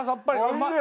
うまい！